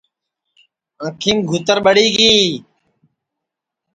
آنکھیم گُھتر ٻڑی گی